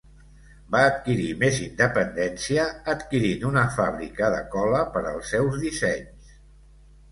Va adquirir més independència adquirint una fàbrica de cola per als seus dissenys.